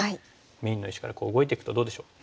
メインの石から動いていくとどうでしょう？